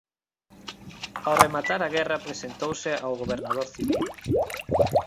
Ao rematar a guerra presentouse ao Gobernador civil.